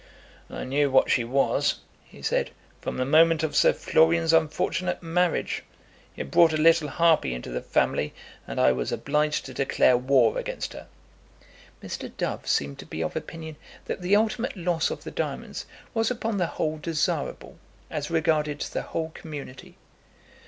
"I knew what she was," he said, "from the moment of Sir Florian's unfortunate marriage. He had brought a little harpy into the family, and I was obliged to declare war against her." Mr. Dove seemed to be of opinion that the ultimate loss of the diamonds was upon the whole desirable, as regarded the whole community.